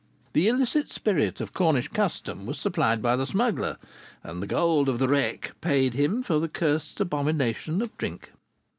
The illicit spirit of Cornish custom was supplied by the smuggler, and the gold of the wreck paid him for the cursed abomination of drink."